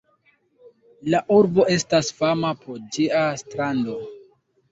La urbo estas fama pro ĝia strando.